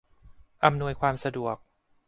อำนวยความสะดวก